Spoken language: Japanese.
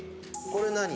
１これ何？